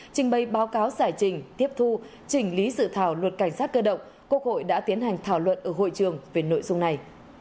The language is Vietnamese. trình bày báo cáo giải trình tiếp thu chỉnh lý dự thảo luật cảnh sát cơ động quốc hội đã tiến hành thảo luận ở hội trường về nội dung này